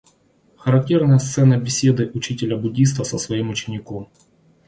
Характерная сцена беседы учителя-буддиста со своим учеником.